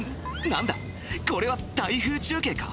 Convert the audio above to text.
何だこれは台風中継か？